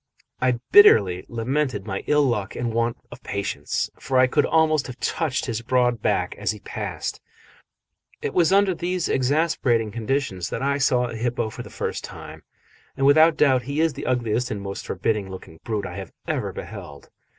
I bitterly lamented my ill luck and want of patience, for I could almost have touched his broad back as he passed. It was under these exasperating conditions that I saw a hippo for the first time, and without doubt he is the ugliest and most forbidding looking brute I have ever beheld.